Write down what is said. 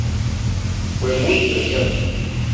Fue muy premiada.